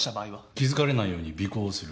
気づかれないように尾行をする。